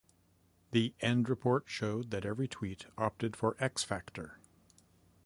The end report showed that every Tweet opted for X-Factor.